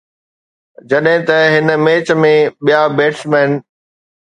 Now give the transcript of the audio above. جڏهن ته هن ميچ ۾ ٻيا بيٽسمين